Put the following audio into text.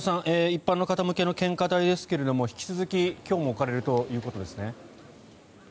一般の方向けの献花台ですが引き続き今日も置かれるということですね。